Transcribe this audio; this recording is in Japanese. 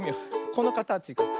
このかたちから。